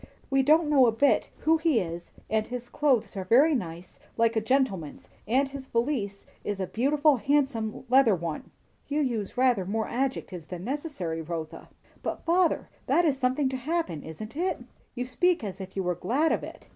We don't know a bit who he is; and his clothes are very nice, like a gentleman, and his valise is a beautiful, handsome leather one." "You use rather more adjectives than necessary, Rotha." "But, father, that is something to happen, isn't it?" "You speak as if you were glad of it."